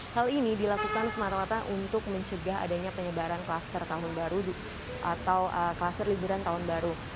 hal ini dilakukan semata mata untuk mencegah adanya penyebaran kluster tahun baru atau kluster liburan tahun baru